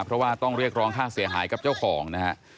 เพราะว่าต้องเรียกร้องค่าเสียหายกับเจ้าของนะฮะ